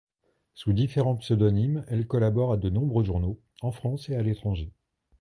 Sous différents pseudonymes, elle collabore à de nombreux journaux, en France et à l'étranger.